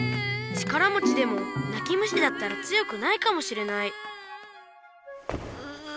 力もちでもなき虫だったら強くないかもしれないうぅ。